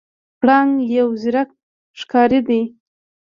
پړانګ یو زیرک ښکاری دی.